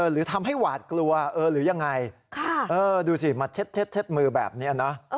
หรือทำให้หวาดกลัวหรือยังไงดูสิมาเช็ดมือแบบนี้นะ